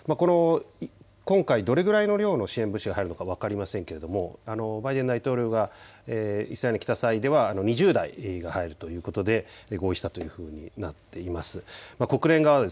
今回どれぐらいの量の支援物資が入るのか分かりませんけども、バイデン大統領がイスラエルに来た際では２０台が入るということで合意したというふうになっています。